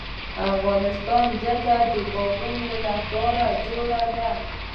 د افغانستان ځمکه د باغونو لپاره جوړه ده.